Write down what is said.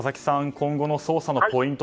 今後の捜査のポイント